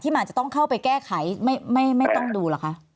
มันอาจจะต้องเข้าไปแก้ไขไม่ต้องดูหรอคะ